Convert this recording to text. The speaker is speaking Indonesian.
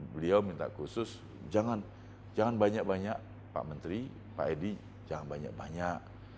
beliau minta khusus jangan banyak banyak pak menteri pak edi jangan banyak banyak